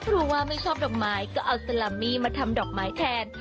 รู้ว่าไม่ชอบดอกไม้ก็เอาสลามมี่มาทำดอกไม้แทน